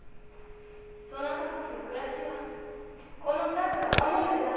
そなたたちの暮らしはこの田鶴が守るでな。